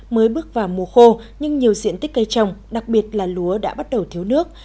mới bước vào mùa khô nhưng nhiều diện tích cây trồng đặc biệt là lúa đã bắt đầu thiếu nước